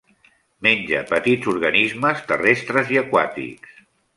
Menja petits organismes terrestres i aquàtics.